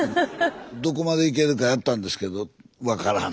どこまでいけるかやったんですけど「分からん」